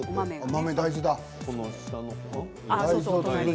豆、大豆だ。